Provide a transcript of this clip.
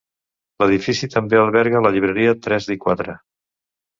L'edifici també alberga la Llibreria Tres i Quatre.